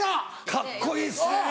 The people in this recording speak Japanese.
カッコいいっすね！